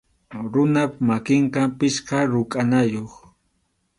Runap makinqa pichqa rukʼanayuq.